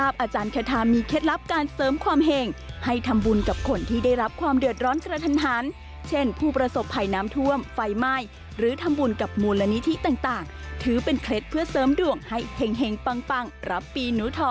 โปรดติดตามตอนต่อไป